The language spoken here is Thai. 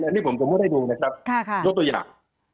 อันนี้ผมสมมุติให้ดูนะครับยกตัวอย่าง